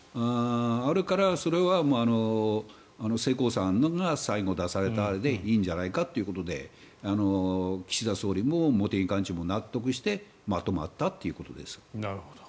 あるから、それは世耕さんが最後出されたのでいいんじゃないかということで岸田総理も茂木幹事長も納得してまとまったということです。